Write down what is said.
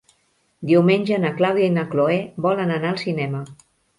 Diumenge na Clàudia i na Cloè volen anar al cinema.